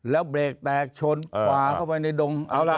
แล้วเบรกแตกชนฟาเข้าไปในดง